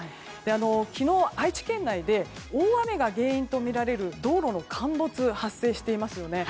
昨日、愛知県内で大雨が原因とみられる道路の陥没が発生していますよね。